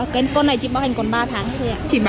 cái con này chị bảo hành còn ba tháng thôi chỉ